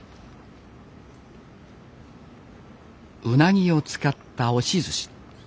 うなぎを使った押し寿司。